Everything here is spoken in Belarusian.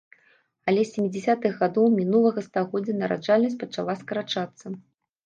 Але з сямідзясятых гадоў мінулага стагоддзя нараджальнасць пачала скарачацца.